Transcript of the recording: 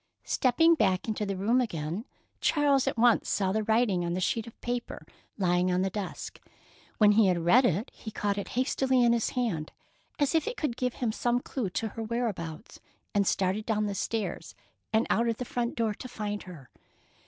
Stepping back into the room again, Charles at once saw the writing on the sheet of paper lying on the desk. When he had read it, he caught it hastily in his hand as if it could give him some clue to her whereabouts, and started down the stairs and out of the front door to find her.